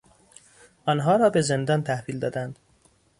آنها را به زندان تحویل دادند.